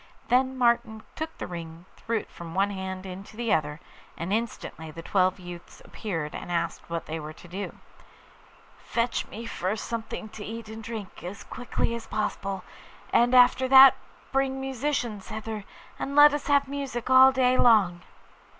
Then Martin took the ring, and threw it from one hand into the other, and instantly the twelve youths appeared and asked what they were to do. 'Fetch me first something to eat and drink, as quickly as possible; and after that bring musicians hither, and let us have music all day long.